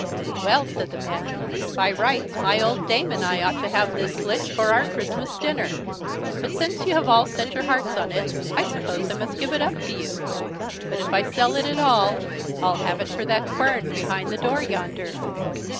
"Well!" said the man, "by rights my old dame and I ought to have this flitch for our Christmas dinner; but since you have all set your hearts on it, I suppose I must give it up to you; but if I sell it at all, I'll have for it that quern behind the door yonder."